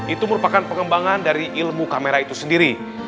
itu merupakan pengembangan dari ilmu kamera itu sendiri